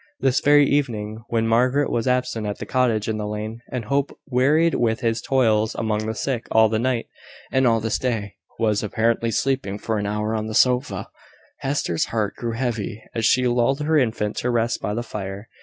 This very evening, when Margaret was absent at the cottage in the lane, and Hope, wearied with his toils among the sick all the night, and all this day, was apparently sleeping for an hour on the sofa, Hester's heart grew heavy, as she lulled her infant to rest by the fire.